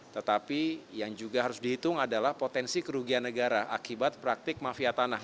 tetapi yang juga harus dihitung adalah potensi kerugian negara akibat praktik mafia tanah